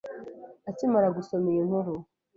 Akimara gusoma iyi nkuru